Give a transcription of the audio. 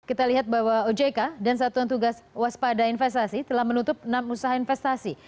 kita lihat bahwa ojk dan satuan tugas waspada investasi telah menutup enam usaha investasi